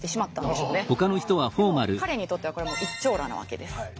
でも彼にとってはこれはもう一張羅なわけです。